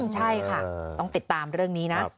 ใช่ค่ะต้องติดตามเรื่องนี้นะ